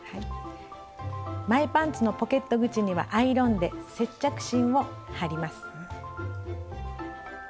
前パンツのポケット口にはアイロンで接着芯を貼ります。